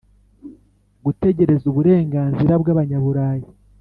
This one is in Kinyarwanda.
gutegereza uburenganzira bw Abanyaburayi